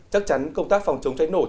chắc chắn công tác phòng chống cháy nổ